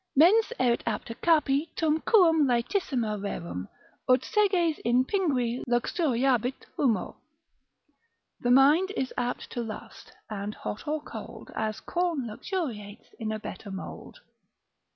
Mens erit apta capi tum quum laetissima rerum. Ut seges in pingui luxuriabit humo. The mind is apt to lust, and hot or cold, As corn luxuriates in a better mould.